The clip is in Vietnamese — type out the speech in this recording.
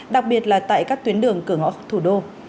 đặc biệt là tại các tuyến đường cửa ngõ thủ đô